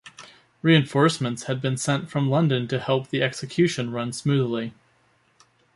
Reinforcements had been sent from London to help the execution run smoothly.